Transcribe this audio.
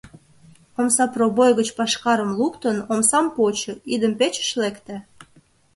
Омса пробой гыч пашкарым луктын, омсам почо, идым-печыш лекте.